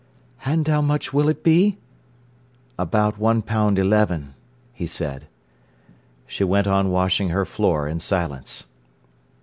"And how much will it be?" "About one pound eleven," he said. She went on washing her floor in silence.